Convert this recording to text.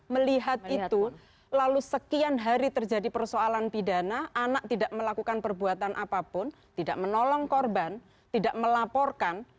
melihat itu lalu sekian hari terjadi persoalan pidana anak tidak melakukan perbuatan apapun tidak menolong korban tidak melaporkan